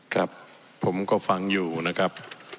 ครับผมก็ฟังอยู่นะครับ